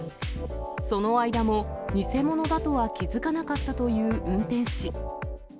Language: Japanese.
その間も、偽者だとは気付かなかったという運転士。